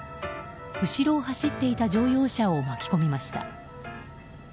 後ろを走っていた乗用車を巻き込みました。